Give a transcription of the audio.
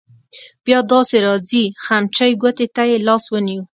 بیا داسې راځې خمچۍ ګوتې ته يې لاس ونیو.